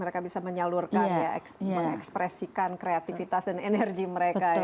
mereka bisa menyalurkan ya mengekspresikan kreativitas dan energi mereka ya